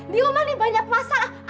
di rumah nih banyak masalah